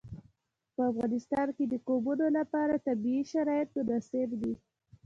په افغانستان کې د قومونه لپاره طبیعي شرایط مناسب دي.